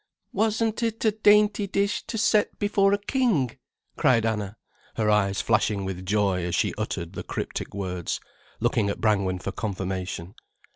"Wasn't it a dainty dish to set before a king?" cried Anna, her eyes flashing with joy as she uttered the cryptic words, looking at Brangwen for confirmation.